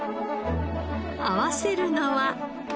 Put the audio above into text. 合わせるのは。